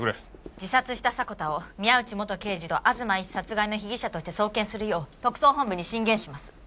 自殺した迫田を宮内元刑事と東医師殺害の被疑者として送検するよう特捜本部に進言します。